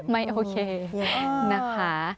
ไม่โอเคนะคะ